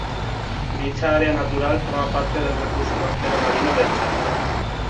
Dicha área natural forma parte del recurso costero marino de El Salvador.